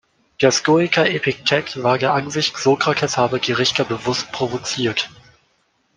Der Stoiker Epiktet war der Ansicht, Sokrates habe die Richter bewusst provoziert.